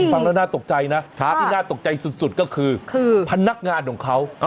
ฟังแล้วน่าตกใจนะที่น่าตกใจสุดก็คือพนักงานของเขา